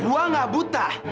gue gak buta